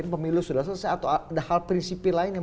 pemilu sudah selesai atau ada prinsip lain yang